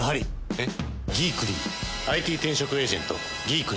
えっ？